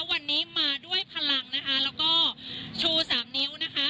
วันนี้มาด้วยพลังนะคะแล้วก็ชูสามนิ้วนะคะ